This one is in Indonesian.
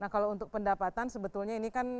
nah kalau untuk pendapatan sebetulnya ini kan